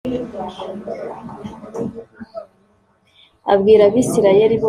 abwira Abisirayeli bose ati Nimwigire hafi imbere